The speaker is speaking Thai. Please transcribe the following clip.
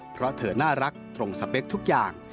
เพราะเธอน่ารักตรงสเปคทุกอย่าง